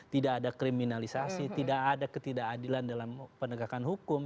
tidak ada kriminalisasi tidak ada ketidakadilan dalam penegakan hukum